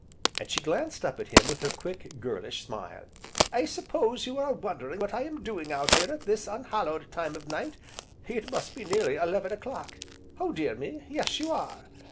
and she glanced up at him with her quick, girlish smile. "I suppose you are wondering what I am doing out here at this unhallowed time of night it must be nearly eleven o'clock. Oh dear me! yes you are!